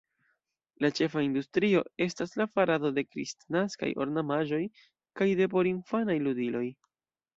La ĉefa industrio estas la farado de kristnaskaj ornamaĵoj kaj de porinfanaj ludiloj.